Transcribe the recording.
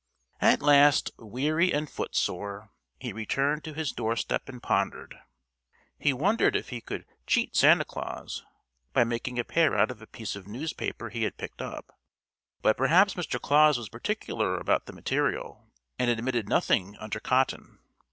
At last, weary and footsore, he returned to his doorstep and pondered. He wondered if he could cheat Santa Claus by making a pair out of a piece of newspaper he had picked up. But perhaps Mr. Claus was particular about the material and admitted nothing under cotton.